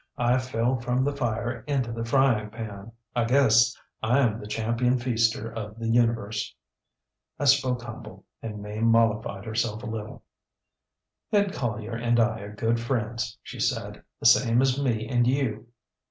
I fell from the fire into the frying pan. I guess IŌĆÖm the Champion Feaster of the Universe.ŌĆÖ I spoke humble, and Mame mollified herself a little. ŌĆ£ŌĆśEd Collier and I are good friends, ŌĆÖ she said, ŌĆśthe same as me and you.